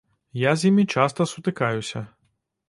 Я з імі часта сутыкаюся.